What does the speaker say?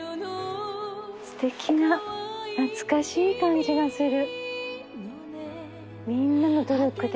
すてきな懐かしい感じがする。